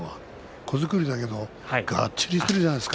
小作りだけどがっちりしてるじゃないですか。